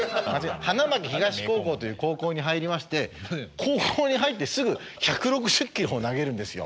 花巻東高校という高校に入りまして高校に入ってすぐ１６０キロを投げるんですよ。